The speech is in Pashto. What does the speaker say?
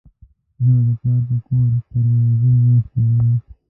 زه به د پلار په کور ترکمي ناسته يمه.